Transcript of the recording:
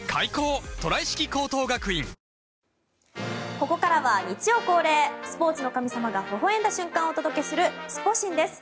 ここからは日曜恒例スポーツの神様がほほ笑んだ瞬間をお届けするスポ神です。